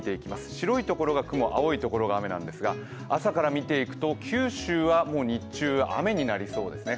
白い所が雲、青い所が雨なんですが朝から見ていくと九州はもう日中、雨になりそうですね。